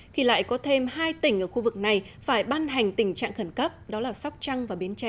khi lại có thêm hai tỉnh ở khu vực này phải ban hành tình trạng khẩn cấp đó là sóc trăng và biến tre